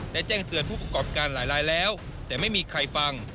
และแจ้งเตือนผู้ประกอบการหลายแล้วแต่ไม่มีใครฟัง